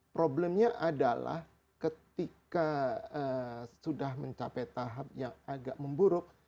problemnya adalah ketika sudah mencapai tahap yang agak memburuk